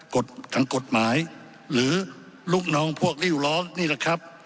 ทางกฎหมายหรือลูกน้องพวกริ้วล้อมนี่แหละครับ